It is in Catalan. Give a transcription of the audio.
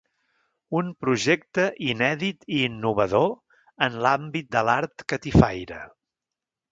“Un projecte inèdit i innovador en l’àmbit de l’art catifaire”.